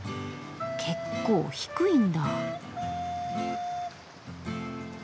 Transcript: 結構低いんだ。